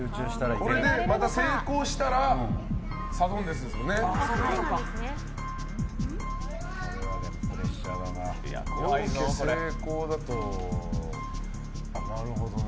これで成功したらサドンデスですもんね。